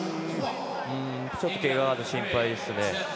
ちょっとけがが心配ですね。